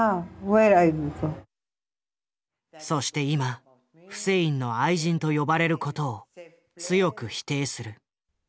そして今フセインの愛人と呼ばれる事を強く否定する。